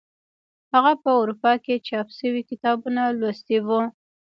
هغه په اروپا کې چاپ شوي کتابونه لوستي وو.